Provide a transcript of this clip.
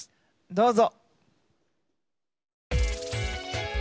どうぞ。